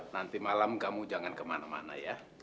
nanti malam kamu jangan kemana mana ya